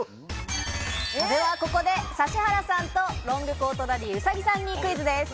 ではここで指原さんとロングコートダディ兎さんにクイズです。